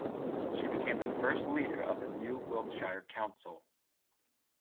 She became the first leader of the new Wiltshire Council.